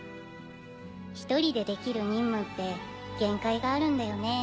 一人でできる任務って限界があるんだよね。